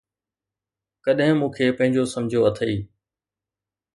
ڪڏھن مون کي پنھنجو سمجھيو اٿئي!